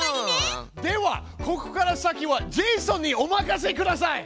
ではここから先はジェイソンにお任せください！